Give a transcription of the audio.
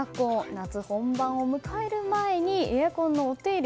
夏本番を迎える前にエアコンのお手入れ。